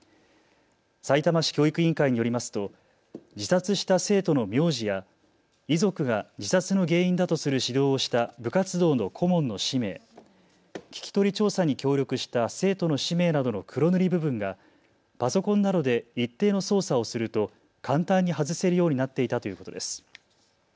さいたま市教育委員会によりますと自殺した生徒の名字や遺族が自殺の原因だとする指導をした部活動の顧問の氏名、聞き取り調査に協力した生徒の氏名などの黒塗り部分がパソコンなどで一定の操作をすると簡単に外せるようになっていたということです。